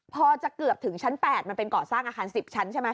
พอจะเกือบถึงชั้น๘มันเป็นเกาะสร้างอาคาร๑๐ชั้นใช่ไหม